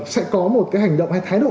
sẽ có một cái hành động hay thái độ